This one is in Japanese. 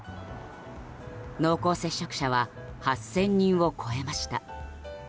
濃厚接触者は８０００人を超えました。